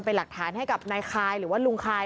เป็นหลักฐานให้กับนายคายหรือว่าลุงคาย